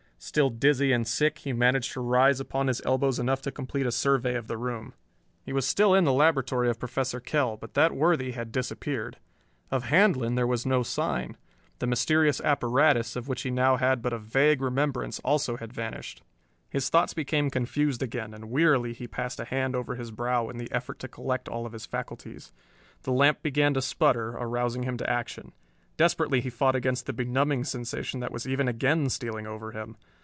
Still dizzy and sick, he managed to rise upon his elbows enough to complete a survey of the room. He was still in the laboratory of Professor Kell, but that worthy had disappeared. Of Handlon there was no sign. The mysterious apparatus, of which he now had but a vague remembrance, also had vanished. His thoughts became confused again, and wearily he passed a hand over his brow in the effort to collect all of his faculties. The lamp began to sputter, arousing him to action. Desperately he fought against the benumbing sensation that was even again stealing over him.